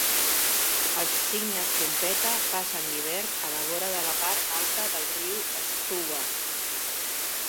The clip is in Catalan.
Els cignes trompeta passen l'hivern a la vora de la part alta del riu Stuart.